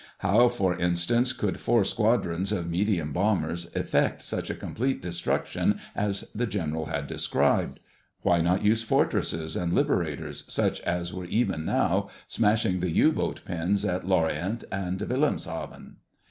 How, for instance, could four squadrons of medium bombers effect such a complete destruction as the general had described? Why not use Fortresses and Liberators, such as were even now smashing the U boat pens at Lorient and Wilhelmshaven?